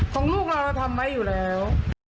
ของลูกเราเราทำไว้อยู่แล้ว